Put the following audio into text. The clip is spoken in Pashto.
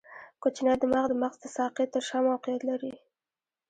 کوچنی دماغ د مغز د ساقې تر شا موقعیت لري.